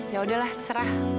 ya udahlah terserah